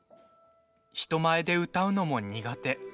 人前で歌うのも苦手。